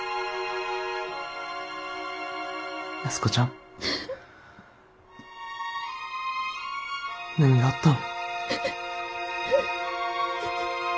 安子ちゃん。何があったん？